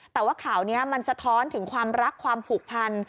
แต่ว่าข่าวนี้มันสะท้อนถึงความรักความผูกพัน